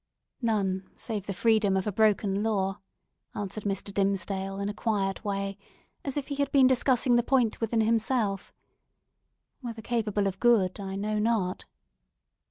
"None, save the freedom of a broken law," answered Mr. Dimmesdale, in a quiet way, as if he had been discussing the point within himself, "Whether capable of good, I know not."